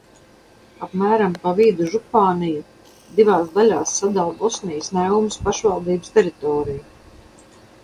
Apmēram pa vidu župāniju divās daļās sadala Bosnijas Neumas pašvaldības teritorija.